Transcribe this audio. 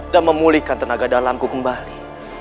dan memulihkan tenaga dalamku kembali